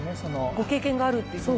ご経験があるっていうふうに。